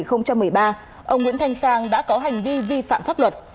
ông nguyễn thanh sang đã có hành vi vi phạm pháp luật